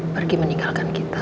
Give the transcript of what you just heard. pergi meninggalkan kita